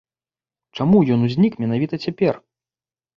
Чаму ён узнік менавіта цяпер?